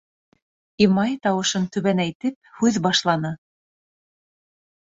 Имай тауышын түбәнәйтеп һүҙ башланы: